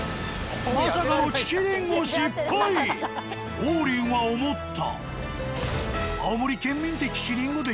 まさかの王林は思った。